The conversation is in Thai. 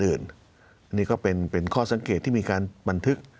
อันนี้ก็เป็นข้อสังเกตที่มีการบันทึก